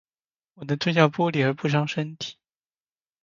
我能吞下玻璃而不伤身体